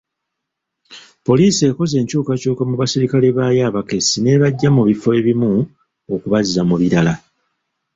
Poliisi ekoze enkyukakyuka mu basirikale baayo abakessi n'ebaggya mu bifo ebimu okubazza mu birala.